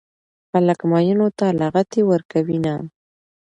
خلک ميينو ته لغتې ورکوينه